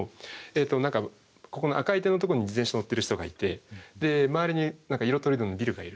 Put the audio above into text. ここの赤い点のとこに自転車乗ってる人がいて周りに色とりどりのビルがいると。